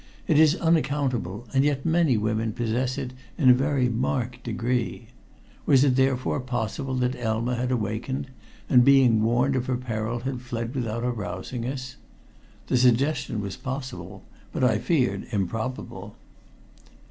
It is unaccountable, and yet many women possess it in a very marked degree. Was it, therefore, possible that Elma had awakened, and being warned of her peril had fled without arousing us? The suggestion was possible, but I feared improbable.